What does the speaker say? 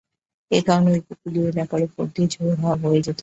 এ কারণে উপকূলীয় এলাকার ওপর দিয়ে ঝোড়ো হাওয়া বয়ে যেতে পারে।